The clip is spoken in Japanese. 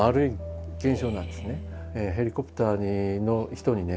ヘリコプターの人にね